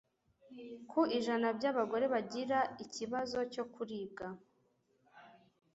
ku ijana by'abagore bagira ikibazo cyo kuribwa